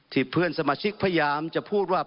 เพื่อนสมาชิกพยายามจะพูดว่า